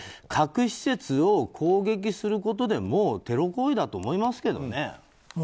核施設を攻撃することで、もうテロ行為だと思いますけどね。